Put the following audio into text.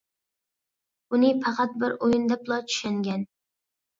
بۇنى پەقەت بىر ئويۇن دەپلا چۈشەنگەن.